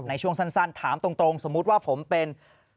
ในช่วงสั้นถามตรงสมมุติว่าผมเป็น